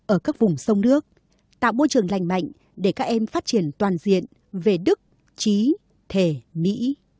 ở các vùng sông nước tạo môi trường lành mạnh để các em phát triển toàn diện về đức trí thể mỹ